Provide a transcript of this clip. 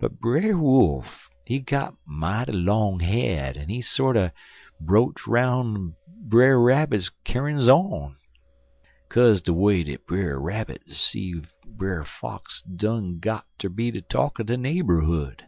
But Brer Wolf, he got mighty long head, en he sorter broach 'bout Brer Rabbit's kyar'ns on, kaze de way dat Brer Rabbit 'ceive Brer Fox done got ter be de talk er de naberhood.